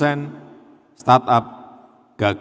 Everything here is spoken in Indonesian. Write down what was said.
karena sekali lagi tidak melihat kebutuhan pasar yang ada